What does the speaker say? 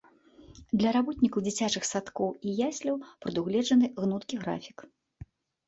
Для работнікаў дзіцячых садкоў і ясляў прадугледжаны гнуткі графік.